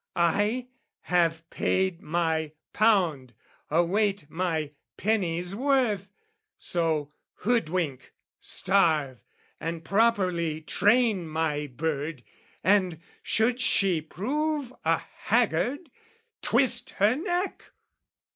I have paid my pound, await my penny's worth, So, hoodwink, starve, and properly train my bird, And, should she prove a haggard, twist her neck!